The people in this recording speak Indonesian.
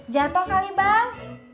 jatoh kali bang